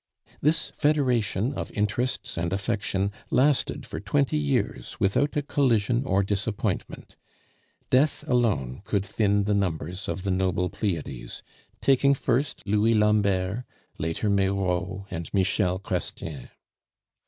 This federation of interests and affection lasted for twenty years without a collision or disappointment. Death alone could thin the numbers of the noble Pleiades, taking first Louis Lambert, later Meyraux and Michel Chrestien.